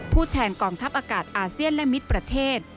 แทนกองทัพอากาศอาเซียนและมิตรประเทศ